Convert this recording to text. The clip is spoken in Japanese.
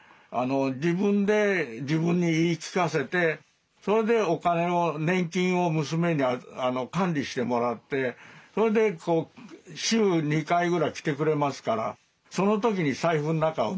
自分で自分に言い聞かせてそれでお金を年金を娘に管理してもらってそれで週２回ぐらい来てくれますからその時に財布の中を見てね